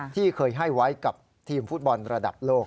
ที่เคยให้ไว้กับทีมฟุตบอลระดับโลก